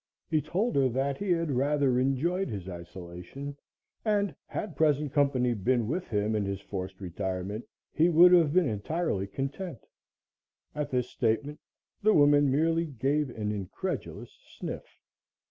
He told her that he had rather enjoyed his isolation and, had present company been with him in his forced retirement, he would have been entirely content. At this statement, the woman merely gave an incredulous sniff.